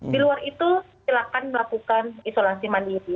di luar itu silakan melakukan isolasi mandiri